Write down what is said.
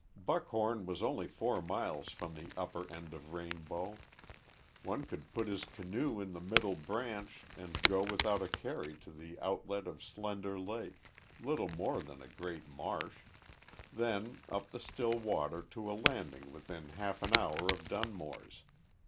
Buck horn was only four miles from the upper end of Rainbow. One could put his canoe in the Middle Branch and go without a carry to the outlet of Slender Lake little more than a great marsh then up the still water to a landing within half an hour of Dunmore's.